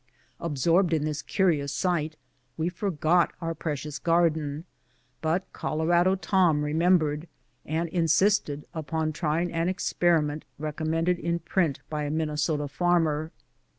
Absorbed in this curious sight we forgot our precious garden; but Colo nel Tom remembered, and insisted upon trying an ex periment recommended in print by a Minnesota farmer.